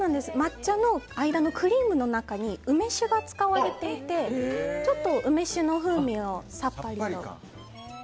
抹茶の間のクリームの中に梅酒が使われていてちょっと梅酒の風味でさっぱりと。